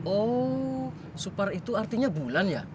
oh super itu artinya bulan ya